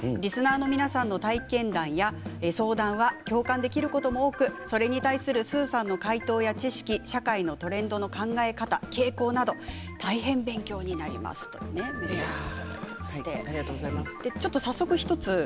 リスナーの皆さんの体験談や相談は共感できることも多くそれに対するスーさんの回答は知識社会のトレンドの考え方傾向など大変勉強になりますということです。